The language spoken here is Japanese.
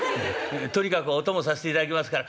とにかくお供させていただきますから」。